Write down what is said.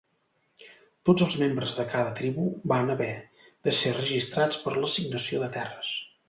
Tots els membres de cada tribu van haver de ser registrats per l'assignació de terres.